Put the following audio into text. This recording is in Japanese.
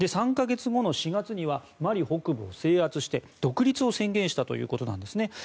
３か月後の４月にはマリ北部を制圧して、独立を宣言したということなんですね。